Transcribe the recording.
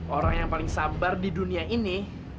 orang yang paling sabar di dunia ini